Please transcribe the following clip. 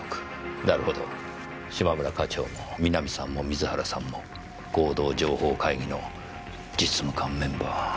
なるほど嶋村課長も南さんも水原さんも合同情報会議の実務官メンバー。